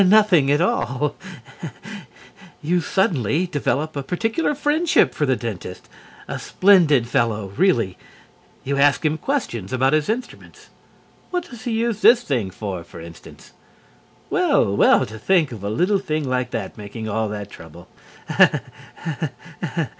Nothing at all. You suddenly develop a particular friendship for the dentist. A splendid fellow, really. You ask him questions about his instruments. What does he use this thing for, for instance? Well, well, to think, of a little thing like that making all that trouble.